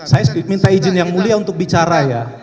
saya minta izin yang mulia untuk bicara ya